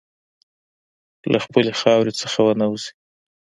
له خپلې خاورې څخه ونه وځې.